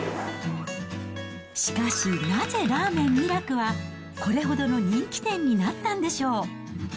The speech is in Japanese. しかしなぜ、らーめん味楽はこれほどの人気店になったんでしょう。